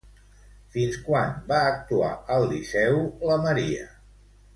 Fins quan va actuar al Liceu, la Maria?